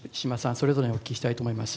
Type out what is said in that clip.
それぞれにお聞きしたいと思います。